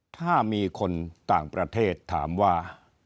ถ้ามีคนต่างประเทศถามว่า